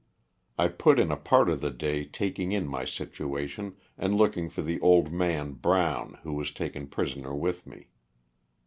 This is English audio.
I put in a part of the day taking in my situation and looking for the old man Brown who was taken prisoner with me.